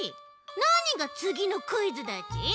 なにが「つぎのクイズ」だち。